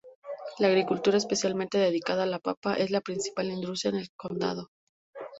La agricultura, especialmente dedicada a la papa, es la principal industria en el condado.